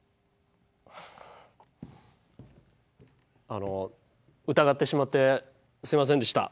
あの疑ってしまってすいませんでした。